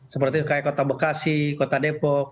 seperti kayak kota bekasi kota depok